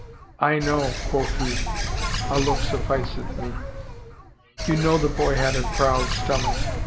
* I know,' quoth he, ' a look sufficeth me.' You know the boy had a proud stomach! ...